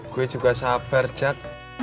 gue juga sabar jack